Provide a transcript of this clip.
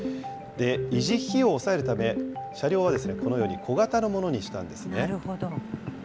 維持費用を抑えるため、車両はこのように小型のものにしたんですね。